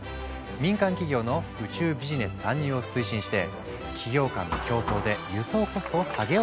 民間企業の宇宙ビジネス参入を推進して企業間の競争で輸送コストを下げようとしたんだ。